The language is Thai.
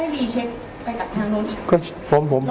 ได้ริเช็คไปดักทางหน้าค่ะ